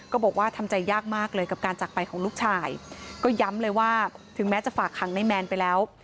บอกว่าทำใจยากมากเลยกับการจักรไปของลูกชายก็ย้ำเลยว่าถึงแม้จะฝากขังในแมนไปแล้ว